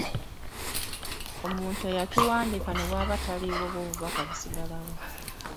Omuntu eyakiwandiika ne bw’aba taliiwo bwo obubaka busigalawo.